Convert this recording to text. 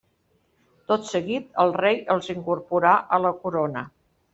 Tot seguit, el rei els incorporà a la corona.